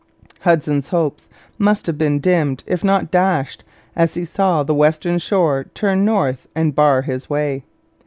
Hudson's hopes must have been dimmed if not dashed as he saw the western shore turn north and bar his way.